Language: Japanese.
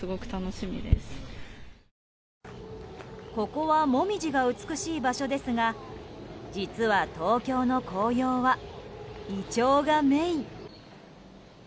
ここはモミジが美しい場所ですが実は東京の紅葉はイチョウがメイン。